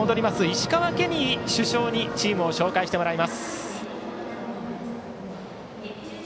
石川ケニー主将にチームを紹介してもらいます。